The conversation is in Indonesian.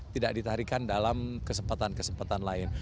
tidak ditarikan dalam kesempatan kesempatan lain